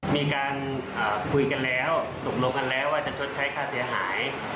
มีการคุยกันแล้วตกลงกันแล้วว่าจะชดใช้ค่าเสียหาย